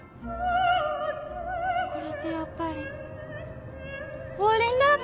これってやっぱりフォーリンラブ！？